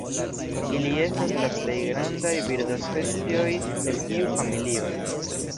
Ili estas la plej grandaj birdospecioj el tiu familio.